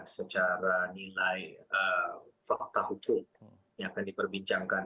secara nilai fakta hukum yang akan diperbincangkan